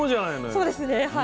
そうですねはい。